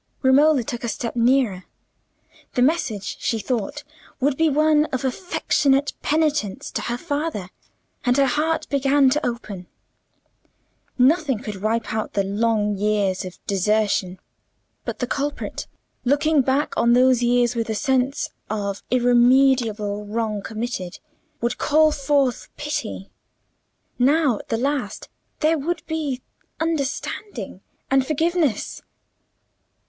Romola took a step nearer: the message, she thought, would be one of affectionate penitence to her father, and her heart began to open. Nothing could wipe out the long years of desertion; but the culprit, looking back on those years with the sense of irremediable wrong committed, would call forth pity. Now, at the last, there would be understanding and forgiveness.